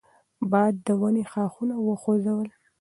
باد د ونې ښاخونه وخوځول.